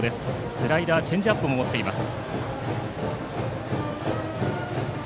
スライダー、チェンジアップも持っています。